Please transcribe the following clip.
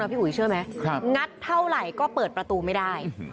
พี่อุ๋ยเชื่อไหมงัดเท่าไหร่ก็เปิดประตูไม่ได้